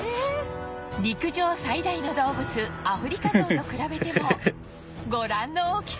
陸上最大の動物アフリカゾウと比べてもご覧の大きさ